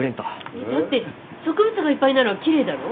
えっだって植物がいっぱいならきれいだろ？